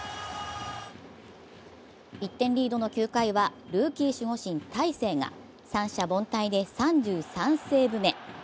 １点リードの９回はルーキー守護神・大勢が三者凡退で３３セーブ目。